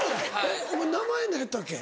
お前名前何やったっけ？